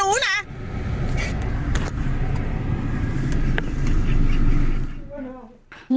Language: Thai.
ไม่มีคาแสดงจริงหรอ